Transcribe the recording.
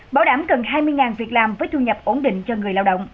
bảo đảm cần hai mươi việc làm với thu nhập ổn định cho người lao động